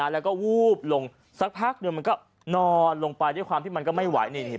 แล้วก็วูบลงสักพักหนึ่งมันก็นอนลงไปด้วยความที่มันก็ไม่ไหวนี่